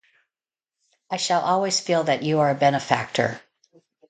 I shall always feel that you are a benefactor.